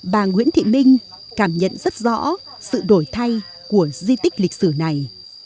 bà nguyễn thị minh cảm nhận rất rõ sự đổi thay của di tích lịch sử này